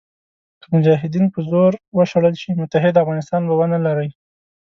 که مجاهدین په زور وشړل شي متحد افغانستان به ونه لرئ.